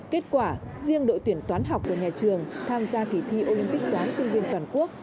kết quả riêng đội tuyển toán học của nhà trường tham gia kỳ thi olympic toán sinh viên toàn quốc